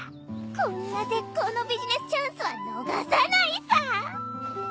こんな絶好のビジネスチャンスは逃さないさ！